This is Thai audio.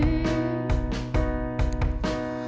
เพลงที่๒มาเลยครับ